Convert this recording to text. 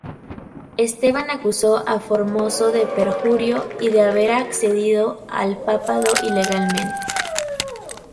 Esteban acusó a Formoso de perjurio y de haber accedido al papado ilegalmente.